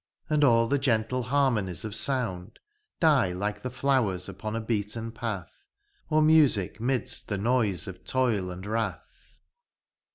And an the gentle harmonies of sounds Die like the flowers upon a beaten path. Or music midst the noise of toil and wrath.